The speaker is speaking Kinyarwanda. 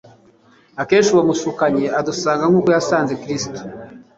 Akenshi uwo mushukanyi adusanga nk'uko yasanze Kristo,